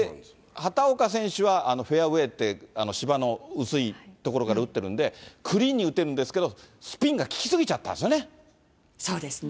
畑岡選手は、あのフェアウエーって、芝の薄い所から打ってるんで、クリーンに打てるんですけど、スピンが利き過ぎちゃったんですよね。